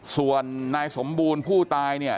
ส่วนนายสมบูรณ์ผู้ตายเนี่ย